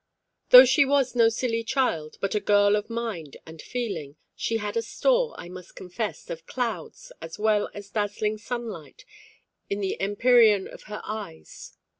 Though she was no silly child, but a girl of mind and feeling, she had a store, I must confess, of clouds as well as dazzling sunlight in the empyrean of her eyes.